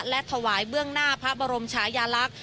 และถวายเบื้องหน้าพระบรมชายาลักษณ์